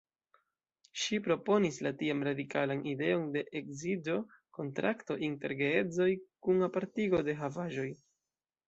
Ŝi proponis la tiam radikalan ideon de ekzidĝo-kontrakto inter geedzoj kun apartigo de havaĵoj.